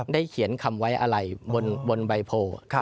เขียนคำไว้อะไรบนใบโพ